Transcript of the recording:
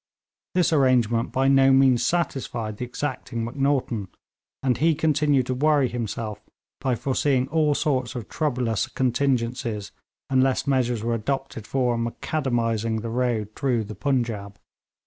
This arrangement by no means satisfied the exacting Macnaghten, and he continued to worry himself by foreseeing all sorts of troublous contingencies unless measures were adopted for 'macadamising' the road through the Punjaub.